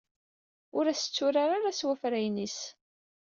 Ur as-tturar ara s wafrayen-is!